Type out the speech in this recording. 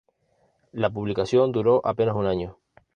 La publicación duró apenas un año.